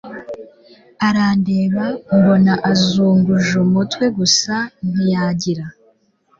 arendeba mbona azungujumutwe gusa ntiyagira